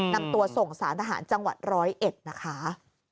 นำตัวส่งสารทหารจังหวัด๑๐๑นะคะ